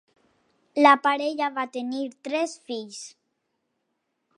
La parella va tenir tres fills: